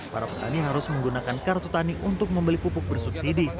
para petani harus menggunakan kartu tani untuk membeli pupuk bersubsidi